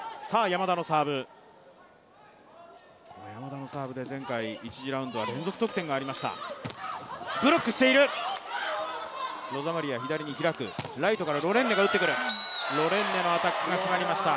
山田のサーブで前回、１次ラウンドは連続得点がありました。